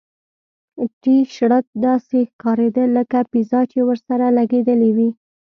ټي شرټ داسې ښکاریده لکه پیزا چې ورسره لګیدلې وي